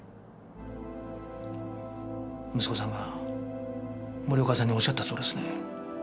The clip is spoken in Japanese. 息子さんが森岡さんにおっしゃったそうですね。